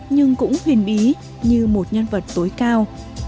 nhưng cũng huyền bí như một nhân vật tối cao